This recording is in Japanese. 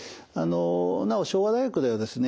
なお昭和大学ではですね